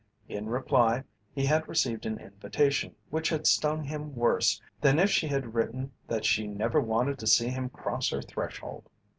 In reply he had received an invitation which had stung him worse than if she had written that she never wanted to see him cross her threshold.